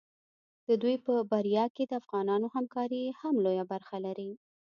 د دوی په بریا کې د افغانانو همکاري هم لویه برخه لري.